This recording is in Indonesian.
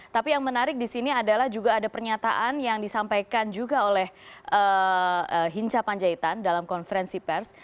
tapi yang menarik di sini adalah juga ada pernyataan yang disampaikan juga oleh hinca panjaitan dalam konferensi pers